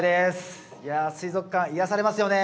いや水族館癒やされますよね。